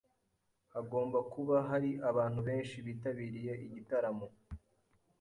Hagomba kuba hari abantu benshi bitabiriye igitaramo